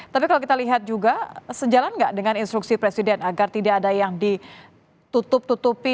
tapi kalau kita lihat juga sejalan nggak dengan instruksi presiden agar tidak ada yang ditutup tutupi